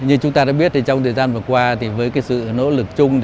như chúng ta đã biết trong thời gian vừa qua với sự nỗ lực chung